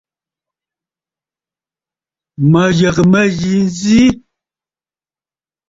Mə̀ yə̀gə̀ mə̂ yi nzi.